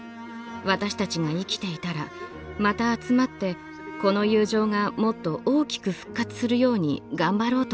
私たちが生きていたらまた集まってこの友情がもっと大きく復活するように頑張ろうと思います。